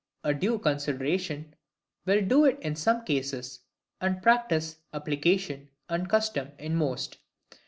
A due consideration will do it in some cases; and practice, application, and custom in most.